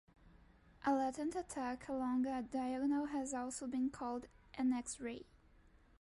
A latent attack along a diagonal has also been called an X-ray.